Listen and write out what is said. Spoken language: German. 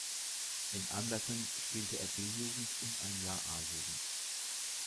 In Anderten spielte er B-Jugend und ein Jahr A-Jugend.